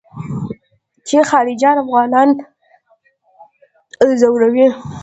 چې خارجيان افغانان ځوروي.